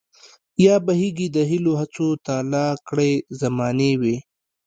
يا بهير د هيلو هڅو تالا کړے زمانې وي